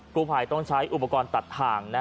ผู้ภัยต้องใช้อุปกรณ์ตัดทาง